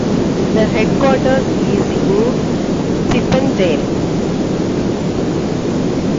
The headquarters is in Chippendale.